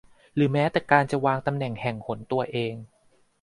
หรือแม้แต่การจะวางตำแหน่งแห่งหนตัวเอง